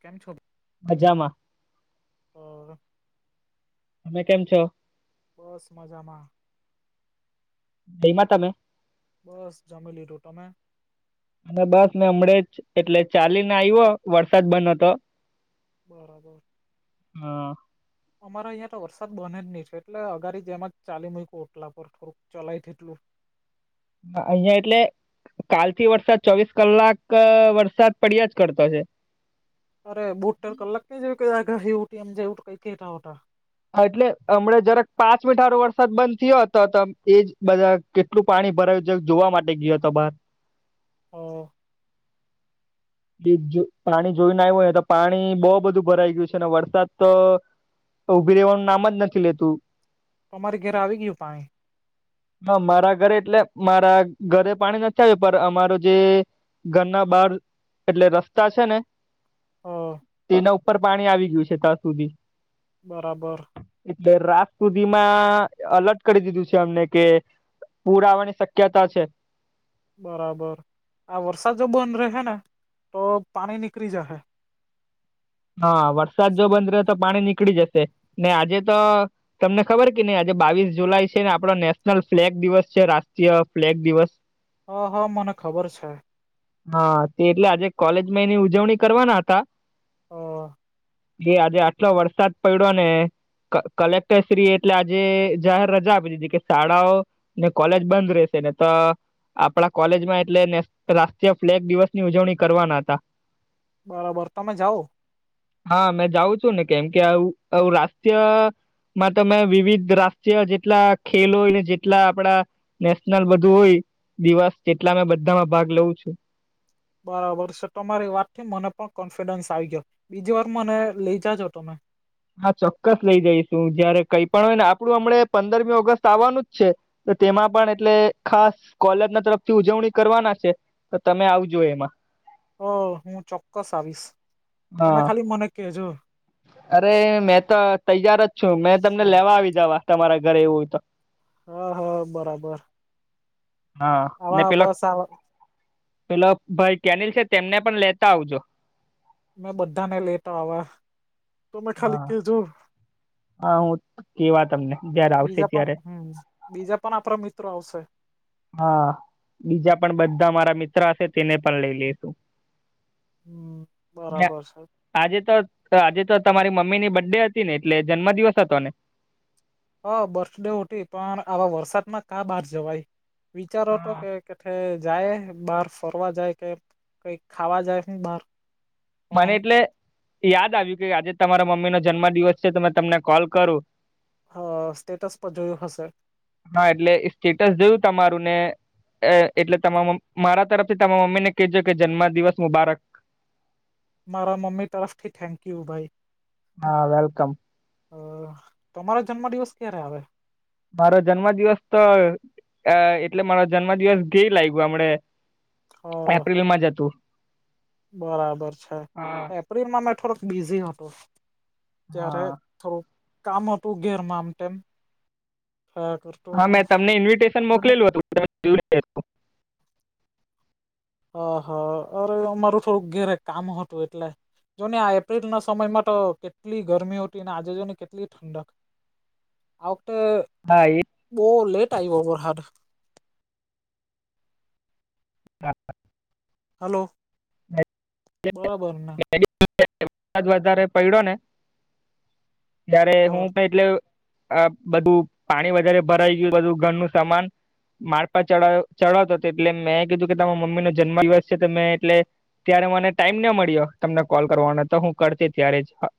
કેમ છો મજામ ઓ તમે કેમ છો બસ મજામાં જઈમાં તમે બસ જમી લીધો તમે અને બસ ને હમણાં જ એટલે ચાલી ને આવ્યો વરસાદ બંધ હતો બરાબર હા અમારે અહીં તો વરસાદ બને જ નહી છે એટલે અગારી જેમાં જ ચાલી મય કો ઓટલા પર થોડુંક ચલાય તેટલું અહિયાં એટલે કાલથી વરસાદ ચોવીસ કલાક વરસાદ પડ્યા જ કરતો છે અરે બુટેર કલાક કઈ આા ઉઠીમ કઈ કેા એટલે હમણા જરાક પાંચ મીઠારો વરસાદ બંધ થયો હતો તો એજ બધા કેટલું પાણી ભરાયું છે જોવા માટે ગયાયો હતા બહાર હમ પાણી જોઈને આવ્યું હોય તો પાણી બહુ બધું ભરાઈ ગયું છે અને વરસાદ તો ઉભી રહેેવાનું નામ જ નથી લેતું અમારી ઘર આવી ગયું પાસે હા મારા ઘરે એટલે મારા ઘરે પાણી નથી આવ્યું પર અમારું જે ઘરના બાર એટલે રસ્તા છે ને હ એના ઉપર પાણી આવી ગયું છે ત્યાં સુધી બરાબર એટલે રાત સુધીમાં અલર્ટ કરી દીધું છે અમને કે પુરા આવવાની શક્યતા છે બરાબર આ વરસાદ જો બંધ રહે ને તો પાણી નીકળી જશે હા વરસાદ જો બંધ રહે તો પાણી નીકળી જશે ને આજે તો તમને ખબર કે નહી આજે બાવીસ જુલાઈ છે ને આપડો નેશનલ ફ્લેગ દિવસ છે રાષ્ટ્રીય ફ્લેગ દિવસ હ હા મને ખબર છે હા તે એટલે આજે કોલેજમાંયની ઉજવણી કરવાના હતા હ જે આજે આટલો વરસાદ પડ્યો ને ક કલેક્ટરશ્રી એટલે આજે જાહેર રજા આપી દીધી કે શાળાઓ ને કોલેજ બંધ રહેશે ને તો આપણા કોલેજમાં એટલેને રાષ્ટ્રીય ફ્લેગ દિવસ ની ઉજવણી કરવાના હતા બરાબર તમે જાઓ? હા મેં જાઉં છું ને કેમ કે આવું રાષ્ટ્રીય માં તમે વિવિધ રાષ્ટ્રીય જેટલા ખેલ હોયને જેટલા આપડા નેશનલ બધું હોય દિવસ જેટલા મે બધામાં ભાગ લઉું છું. બરાબર છે તમારી વાત થી મને પણ કોન્ફિડન્સ આવી ગયો બીજી વાર મને લઈ જાજો તમે હા ચોક્કસ લઇ જઈશું જયારે કઈ પણ હોય ને આપડું હમણા પંદરમી ઓગસ્ટ આવવાનું જ છે. તો તેમાં પણ એટલે ખાસ કોલેજ ના તરફથી ઉજવણી કરવાના છે. તો તમે આવજો એમાં ઓ હું ચોક્કસ આવીશ તમે હા ખાલી મને કેજો. અરે મેં તો તૈયાર જ છું મેં તમને લેવા આવી જવા તમારા ઘરે એવુંય તો હા હા બરાબર હા ને આવા પેલા બસ આવા પેલા ભાઈ કેનીલ છે તેમને પણ લેતા આવજો. મેં બધા ને લેતા આવા તમે ખાલી હા કેજો. હા હું કેવા તમને જયારે બીજા આવશે પણ ત્યારે. હમ બીજા પણ આપણા મિત્રો આવશે. હા બીજા પણ બધા મારા મિત્ર હશે તેને પણ લઈ લેસુ. હા બરાબર છે. આજે તો આજે તો તમારી મમ્મી ની બડે હતી ને એટલે જન્મ દિવસ હતો ને? હા બર્થડે હતી પણ આવા વરસાદમાં કા બહાર જવાય વિચારો હતો હા કે કેથે જાય બાર ફરવા જાય કે કઈક ખાવા જાય બહાર પણ મને એટલે યાદ આવ્યું કે આજે તમારા મમ્મી નો જન્મ દિવસ છે તો મેં તમને કોલ કરું હ સ્ટેટસ પર જોયુ હશે. હા એટલે સ્ટેટસ જોયું તમારું ને એટલે તમામ મારા તરફથી તમા મમ્મી ને કહેજો કે જન્મ દિવસ મુબારક. મારા મમ્મી તરફથી થેન્ક યુ ભાઈ. હા વેલકમ. અ તમારો જન્મ દિવસ ક્યારે આવે? મારો જન્મ દિવસ તો એટલે મારો જન્મ દિવસ ગેય લાગ્યો હમડે. અ એપ્રિલ માં હતો. બરાબર છે એપ્રિલમાં મેં થોડોક બિઝી હતો ત્યારે હા થોડું કામ હતું ઘેરમા આમ તેમ હા હતું મેં તમને ઇન્વિટેશન જોને મોકલું હતું. તો. હ હા અરે અમારું થોડુંક ઘેરે કામ હતું એટલે. જો ને આ એપ્રિલ ના સમયમાં તો કેટલી ગરમી હતી આજે જોઈ ને કેટલી ઠંડક. આ વકતે હા એ બો લેટ આવ્યો વરાહાદ. [unintelligible] હલો બરાબરને. વધારે પયડો ને જયારે હ હું પણ એટલે આ બધું પાણી વધારે ભરાઈ ગયું બધું ઘરનું સામાન મારપા ચ ચડાવતો હતો એટલે મેં કીધું કે તમારા મમ્મીનો જન્મ દિવસ છે તો મેં એટલે ત્યારે મને ટાઈમ ના મળ્યો તમને કોલ કરવાનો તો હું કરતે ત્યારે જ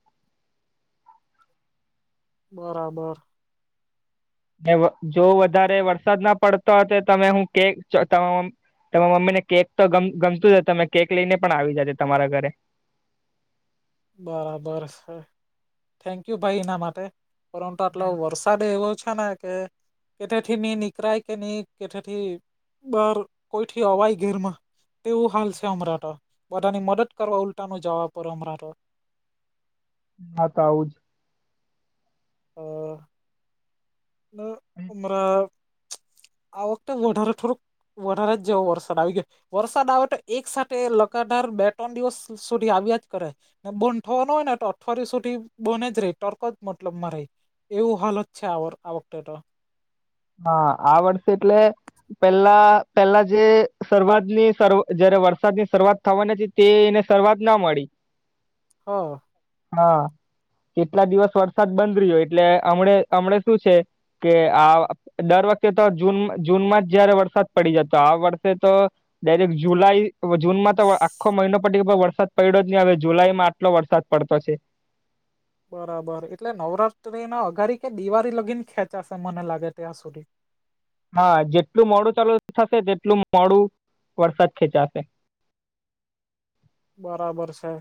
બરાબર જો વધારે વરસાદ ના પડતો હતે તો મે હું કે તમારા મમ્મી ને કેક તો ગમતુંજ હશે તમે કેક લઈને પણ આવી જજો તમારા ઘરે. બરાબર સર થેન્કયુ ભાઈ એના માટે પરંતુ આટલા વર્ષો વરસાદ એવો છે ને કે કેઠથી નહી નીકરાય કે નહી કેઠથી બાર કોઈથી અવાય ઘેરમાં તેવું હાલ છે હમણાં તો બધાની મદદ કરવા ઉલટા નું જવા પડે અમરા તો હા તો આવું જ અ જ હમણાં આ વખતે વધારે થોડુંક વધારે જેવો જ વરસાદ આવી ગયો. વરસાદ આવે તો એક સાથે લગાદાર બે ત્રણ દિવસ સુધી આવ્યા જ કરે. ને બંધ થવાનો હોય ને તો અઠવાડીયા સુધી બન જ રહી ટર્ક જ મતલબમાં રે. એવું હાલત છે આ વર વખતે તો. હા આ વર્ષ એટલે પેલા પેલા જે શરૂઆતની શરૂ જયારે વરસાદની શરૂઆત થવાની હતી તે એને શરૂઆત ના મળી. હા હા તેટલા દિવસ વરસાદ બંધ રહ્યો. એટલે હમણે હમણા શું છે કે આ દર વખતે તો જૂન જૂનમાં જ જયારે વરસાદ પડી જતો. આ વર્ષે તો ડાયરેક્ટ જુલાઈ હવે જૂનમાં તો આખો મહિનો પટી ગયો વરસાદ પડ્યો જ નહી. હવે જુલાઈમાં આટલો વરસાદ પડતો છે. બરાબર. એટલે નવરાત્રીના અગારી કે દિવાળી લગીને ખેંચાશે મને લાગે ત્યાં સુધી. હા જેટલું મોડું ચાલુ થશે તેટલું મોડું વરસાદ ખેંચાશે. બરાબર છે.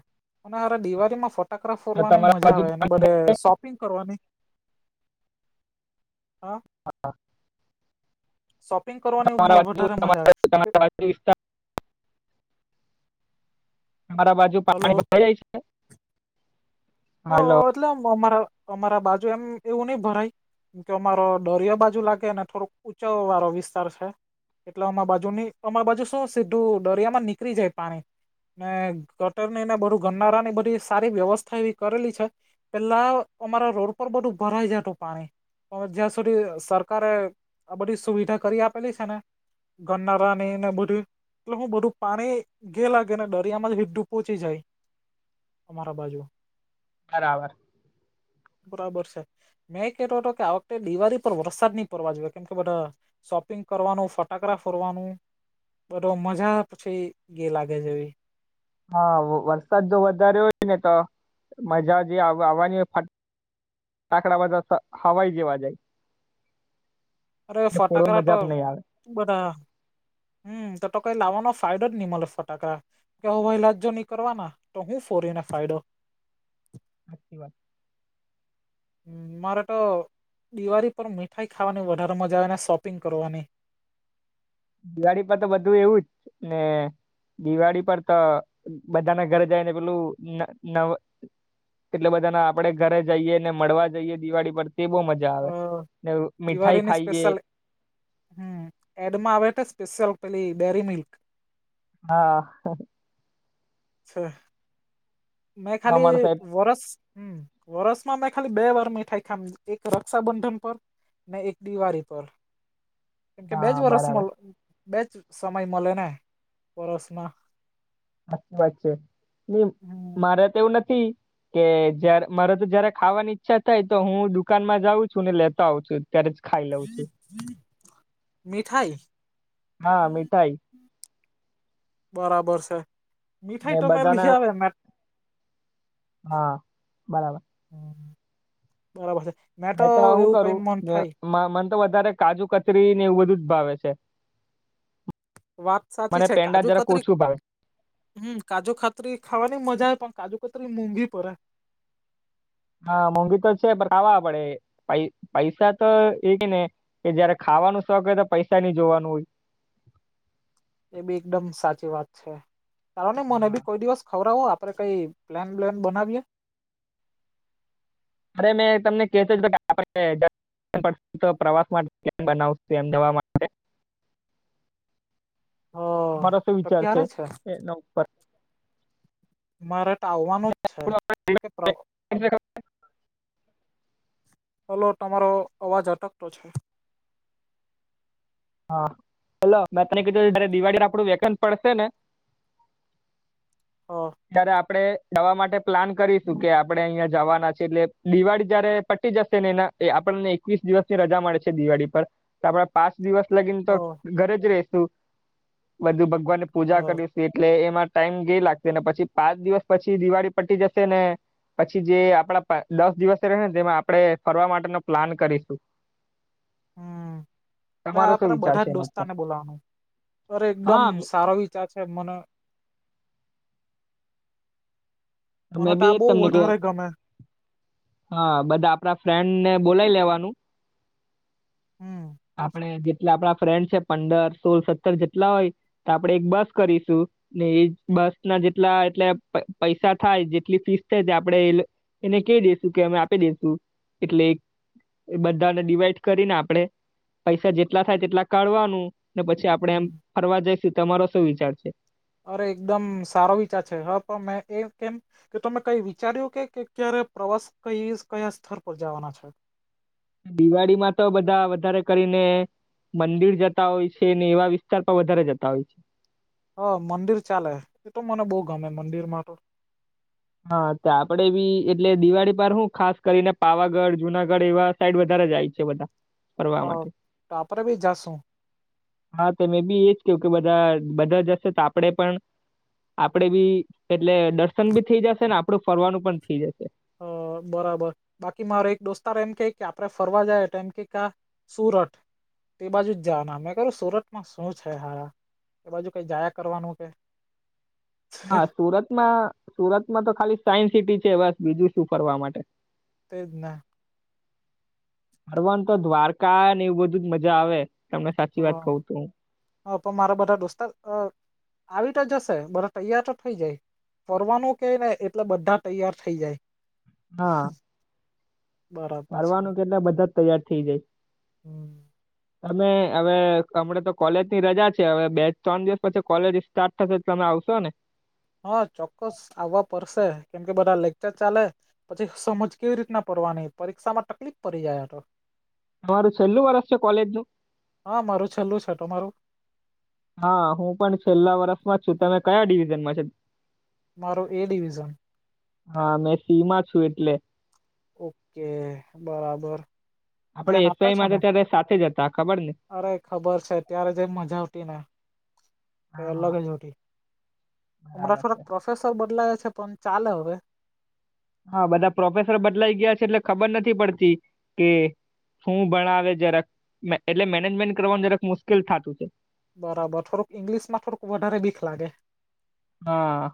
અને અરે દિવાળીમાં ફટાકડા તો ફોડવાની તમારા મજા બાજુ આવે અને બધે શોપ પિંગ કરવાની હા હા શોપિંગ કરવાની તમારા બાજુ વધારે મજા આવે. [inaudible] તમારા બાજુ હલો પાણી ભરાઈ જાય છે? હ હલો એટલે અમ અમારા અમારા બાજુ એમ એવું નહીં ભરાય. કેમ કે અમારો દરિયો બાજુ લાગેને, થોડોક ઊંચવ વાળો વિસ્તાર છે. એટલે અમા બાજુ ની અમા બાજુ શું સીધું દરિયામાં નીકરી જાય પાણી. ને ગટરની ને બધું ગનારાની બધી સારી વ્યવસ્થા એવી કરેલી છે. પેલા અમારા રોડ પર બધું ભરાઈ જતું પાણી. હવે જ્યાં સુધી સરકારે આ બધી સુવિધા કરી આપેલી છે ને ગન્નારાની ને એ બધુંય એટલે હું બધું પાણી ગે લાગે ને દરિયામાં હિંઢૂં પોચી જાય. અમારા બાજુ બરાબર. બરાબર છે. મેં કેતો તો કે આ વખતે દિવાળી પર વરસાદ નહી પડવા જોએ કેમ કે બધા શોપિંગ કરવાનું, ફટાકડા ફોડવાનું. બધો મજા પછી ગે લાગે જેવી. હા વરસાદ જો વધારે હોય ને તો મજા જે આવ આવવાની હોય ફટ ટાકડા બધા હવાઈ જેવા જાય. અરે એટલે ફોડોની ફટાકડા તો મજા પણ નહીં આવે બધા હમ તો તો કઈ લાવવાનો ફાયદો જ ની મલે ફટાકડા. કે હવાઈલા જ જો નિકરવાના કરવાના તો હું ફોરીને ફાયદો. હાચી વાત. હમ મારે તો દિવાળી પર મીઠાઈ ખાવાની વધારે મજા આવે ને, શોપિંગ કરવાની. દિવાળી પર તો બધું એવું જ ને દિવાળી પર તો બધાના ઘરે જાયને પેલું ન નવ એટલે બધા ના આપડે ઘરે જઈએ ને મળવા જઈએ દિવાળી પર તે બહુ મજ જા અ આવે ને ઉ મીઠાઈ દિવાળીની ખાઈએ. સ્પેશિયલ હમ એડમાં આવે તે સ્પેશિયલ પેલી ડેરી મિલ્ક. હા છે. મેં ખાલી અમાર સાહેબ વર્ષ હમ વર્ષમાં મેં ખાલી બે વાર મીઠાઈ ખામ એક રક્ષાબંધન પ અને એક દિવાળી પર કેમકે હા બેજ વરસમાં બરાબર બેજ સમય મળે ને વર્ષમાં સાચી વાત છે હમ મારે તો એવું નથી. કે જય મારે તો જયારે ખાવાની ઈચ્છા થાય તો હું દુકાનમાં જાઉં છું ને લેતો આવં છું. ત્યારે જ ખાઈ લઉં છું મીઠાઈ હા મીઠાઈ બરાબર છે. મીઠાઈ એ તો મેં બધાને લઈ આવે મે હા બરાબર હમ બરાબર છે મેં તો હું એવું કઈ કરું મન જે થાય મ મને તો વધારે કાજુ કતરી ને એવું બધું જ ભાવે છે. વાત સાચી મને છે પેંડા કાજુ જરાક કતરી ઓછું ભાવે હમ કાજુ ખાતરી ખાવાની મજા પણ કાજૂ કાતરી મોંઘી પડે હા મોંઘી તો છે પણ ખાવા પડે પ પૈસા તો એ કે ને કે જયારે ખાવાનું શોખ હોય તો પૈસા નય જોવાનું એ બી એકદમ સાચી વાત છે ચાલો ને મને હા. બી કોઈ દિવસ ખવરાવો આવો આપ આપણે કઈ પ્લાન બ્લાન બનાવીએ અરે મેં તમને કેતો તો [unintelligible] પ્રવાસ માટે બનાવશું એમ જવા હ મારો શું તો વિચાર છે ક્યારે એનો મારે તો આવવાનું જ છે કે એ [unintelligible] હલો તમારો અ અવાજ અટકતો છે. હા હલો મેં તને કીધું જયારે દિવાળી આપડું વેકન પડશે ને હા. ત્યારે આપણે જવા માટે પ્લાન કરીશું કે આપડે અહિયાં જાવાના છીએ એટલે દિવાળી જયારે પટી જશે ને એના એ આપણને એકવીસ દિવસ ની રજા મળે છે દિવાળી પર આપડા પાસ દિવસ લગીને હ તો હ ઘરે જ રહીશું બધું ભગવાનની પૂજા કરીશ એટલે એમાં ટાઈમ [unintelligible] લાગશે ને પછી પાંચ દિવસ પછી દિવાળી પટી જશે ને પછી જે આપણા પાંચ દસ દિવસે રહે ને તેમાં આપણે ફરવા માટેનો પ્લાન કરીશું. હમ ત્યાં તમારો શું આપણે વિચાર બધા છે જ એના ઉપર દોસ્તાર બોલવાનું અરે એકદમ હા સારો વી [unintelligible] મને મેં તો બી આ એજ બહુ તમને કે વધારે ગમે હા બધા આપણા ફ્રેન્ડ ને બોલાયી લેવાનું હમ. આપણે જેટલા આપણા ફ્રેન્ડ છે પંડર સોળ સત્તર જેટલા હોય તો આપડે એક બસ કરીશું ને એ બસ ના જેટલા એટલે પૈસા થાય જેટલી ફીસ થાય તે આપડે એ એને કે દેસુ કે અમે આપી દેસુ એટલે બધાને ડીવાઈડ કરીને આપણેે પૈસા જેટલા થાય તેટલા કાઢવાનું ને પછી આપડે એમ ફરવા જઈશું તમારો શું વિચાર છે? અરે એકદમ સારો વિચાર છે [unintelligible] મે એ કેમ તો તમે તમે કઈ વિચાર્યું કે ક્યારે પ્રવાસ કઈ કયા સ્થર પર જવાના છો? દિવાળી માં તો બધા વધારે કરીને મંદિર જતા હોય છે ને એવા વિસ્તાર પર વધારે જતા હોય છે. હ મંદિર ચાલે એ તો મને બહુ ગમે મંદિરમાં તો હા તો આપડે બી એટલે દિવાળી પર હું ખાસ કરીને પાવાગઢ જુનાગઢ એવા સાઈડ વધારે જાય છે બધા હ ફરવા માટે આપડે બી જાસુ. હા તો મે બી એજ કેઉ બધા બધા જશે તો આપડે પણ આપડે બી એટલે દર્શન બી થઇ જશે ને આપડું ફરવાનું પણ થઈ જશે. હ બરાબર બાકી મારો એક દોસ્તાર એમ કે કે આપડે ફરવા જાય એમ કા સુરત તે બાજુ જ જવાના મેં કરૂ સુરતમાં શું છે હારા. એ બાજુ કઈ જાયા કરવાનું છે. હા સુરતમાં સુરતમાં તો ખાલી સાયન્સ સિટી છે બસ બીજું શું ફરવા માટે તે જ ને. ફરવાન તો દ્વારકા ને એવું બધું જ મજા આવે તમને સાચી વાત કહુ તો. હ પણ મારા બધા દોસ્તાર અ આવી તો જશે બધા તૈયાર તો થઈ જાય ફરવાનું કે ને એટલે બધા તૈયાર થઇ જાય હા બરાબર છે ફરવાનું કે એટલે બધા જ તૈયાર થઇ જાય [unintelligible] તમે હવે હમણા તો કોલેજ ની રજા છે હવે બે ત્રણ દિવસ પછી કોલેજ સ્ટાર્ટ થશે તમે આવશો ને. હા ચોક્કસ આવવા પડશે કેમ કે બધા લેકચર ચાલે પછી સમજ કેવી રીતના પડવાની પરીક્ષામાં તકલીફ પડી જાય આતો. તમારું છેલ્લું વર્ષ છે કોલેજનું હા મારું છેલ્લું છે તમારું. હા હું પણ છેલ્લા વર્ષમાં છું તમે કયા ડિવિઝનમાં છે. મારો એ ડિવિઝન. હા મેં સી માં છું એટલે. ઓકે બરાબર. આપણે ધ્યાન આપતા એસઆઈમાં તો છોને ત્યારે સાથે જ હતા ખબર ને અરે ખબર છે ત્યારે જેમ મજા આવતી ને કઈ હા અલગ જ હતી અમના છે ને પ્રોફેસર બદલાયા છે પણ ચાલે હવે. હા બધા પ્રોફેસર બદલાઈ ગયા છે એટલે ખબર નથી પડતી કે શું ભણાવે જરાક એટલે મેનેજમેન્ટ કરવાનું જરાક મુશ્કેલ થતું છે. બરાબર થોડુંક ઈંગ્લિશ માં થોડુક વધારે બીક લાગે. હા.